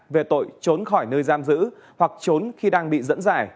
về tội trốn khỏi nơi giam giữ hoặc trốn khi đang bị dẫn giải